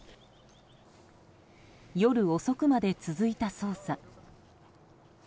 夜遅くまで続いた捜査。